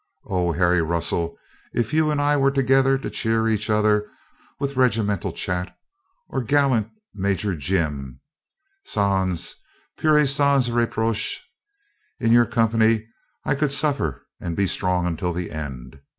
Oh Harry Russell! if you and I were together to cheer each other with regimental chat, or gallant Major Jim, sans peur et sans reproche, in your company I could suffer and be strong unto the end.